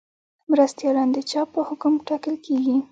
مرستیالان د چا په حکم ټاکل کیږي؟